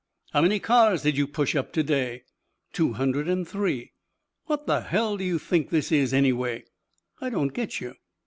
"How many cars did you push up to day?" "Two hundred and three." "What the hell do you think this is, anyway?" "I don't get you."